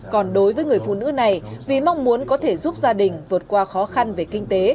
còn đối với người phụ nữ này vì mong muốn có thể giúp gia đình vượt qua khó khăn về kinh tế